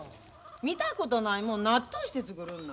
見たことないもんなっとうして作るんな。